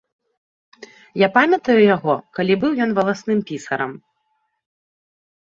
Я памятаю яго, калі быў ён валасным пісарам.